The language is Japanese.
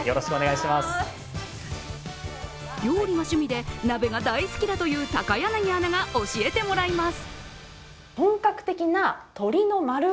料理が趣味で鍋が大好きだという高柳アナが教えてもらいます。